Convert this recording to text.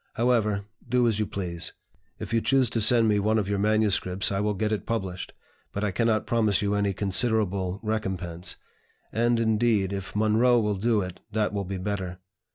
However, do as you please. If you choose to send me one of your manuscripts I will get it published, but I cannot promise you any considerable recompense; and, indeed, if Munroe will do it, that will be better.